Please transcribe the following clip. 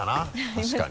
確かに。